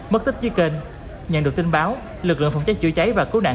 mất tích dưới kênh nhận được tin báo lực lượng phòng cháy chữa cháy và cứu nạn